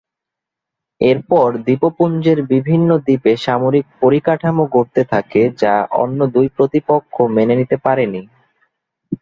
এরপর দ্বীপপুঞ্জের বিভিন্ন দ্বীপে সামরিক পরিকাঠামো গড়তে থাকে যা অন্য দুই প্রতিপক্ষ মেনে নিতে পারেনি।